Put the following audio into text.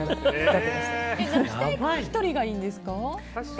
絶対１人がいいんですか？